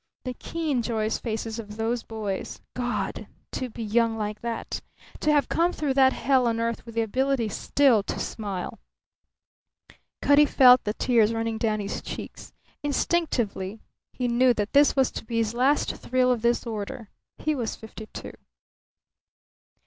The keen, joyous faces of those boys. God, to be young like that! To have come through that hell on earth with the ability still to smile! Cutty felt the tears running down his cheeks. Instinctively he knew that this was to be his last thrill of this order. He was fifty two.